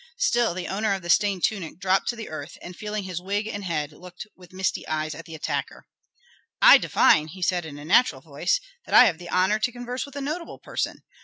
Still the owner of the stained tunic dropped to the earth, and feeling his wig and head, looked with misty eyes at the attacker. "I divine," said he in a natural voice, "that I have the honor to converse with a notable person.